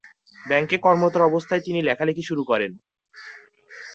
ব্যাংকে কর্মরত অবস্থায় তিনি লেখালেখি শুরু করেন।